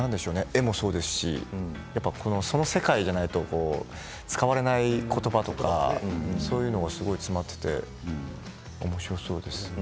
絵もそうですしその世界ではないと使われないことばとかそういうのが詰まっていておもしろそうです。